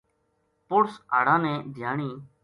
پُڑس ہاڑاں نے دھیانی